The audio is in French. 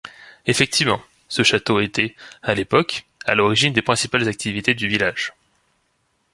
Effectivement, ce château était, à l'époque, à l'origine des principales activités du village.